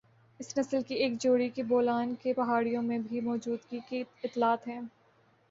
اس نسل کی ایک جوڑی کی بولان کے پہاڑیوں میں بھی موجودگی کی اطلاعات ہے